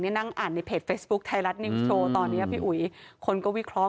นั่งอ่านในเพจเฟซบุ๊คไทยรัฐนิวส์โชว์ตอนนี้พี่อุ๋ยคนก็วิเคราะห